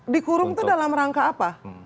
dikurung itu dalam rangka apa